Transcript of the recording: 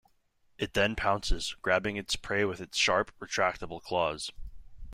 It then pounces, grabbing its prey with its sharp, retractable claws.